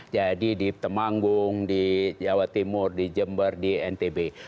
jadi di temanggung di jawa timur di jember di ntb